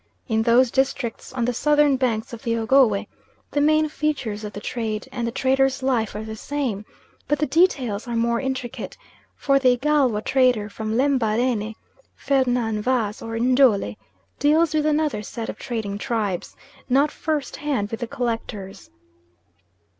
In those districts on the southern banks of the Ogowe the main features of the trade, and the trader's life are the same, but the details are more intricate, for the Igalwa trader from Lembarene, Fernan Vaz, or Njole, deals with another set of trading tribes, not first hand with the collectors.